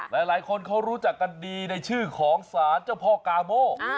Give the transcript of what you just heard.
หลายคนเขารู้จักกันดีในชื่อของสารเจ้าพ่อกาโม